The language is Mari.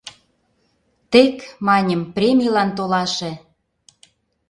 Тек, маньым, премийлан толаше.